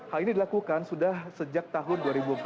hal ini dilakukan sudah sejak tahun dua ribu empat belas